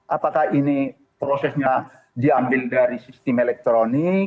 apakah ini prosesnya diambil dari sistem elektronik